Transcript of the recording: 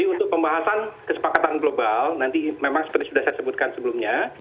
jadi untuk pembahasan kesepakatan global nanti memang seperti sudah saya sebutkan sebelumnya